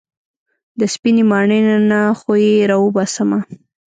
د سپينې ماڼۍ نه خو يې راوباسمه.